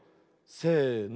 せの。